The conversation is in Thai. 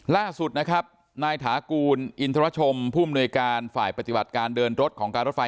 ล่าสุดนะครับนายถากูลอินทรชมผู้อำนวยการฝ่ายปฏิบัติการเดินรถของการรถไฟ